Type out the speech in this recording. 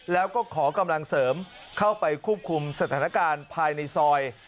แล้วก็ขอกำลังเสริมเข้าไปควบคุมสถานการณ์ภายในซอย